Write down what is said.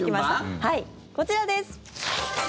はい、こちらです！